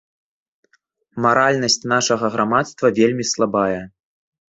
Маральнасць нашага грамадства вельмі слабая.